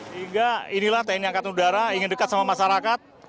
sehingga inilah tni angkatan udara ingin dekat sama masyarakat